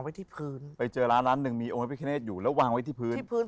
วางองค์พรพิธนเทศล่ะวางไว้ที่พื้น